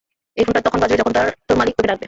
এই ফোনটা তখন বাজবে যখন তোর মালিক তোকে ডাকবে।